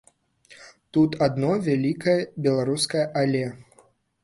Тут адно вялікае беларускае але!